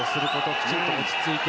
きちんと落ち着いて。